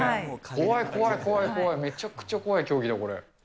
怖い、怖い、怖い、めちゃくちゃ怖い競技だ、これ。